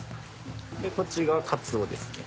こっちがカツオですね。